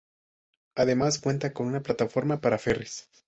Además cuenta con una plataforma para ferris.